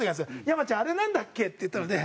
「山ちゃんあれなんだっけ？」って言ったので。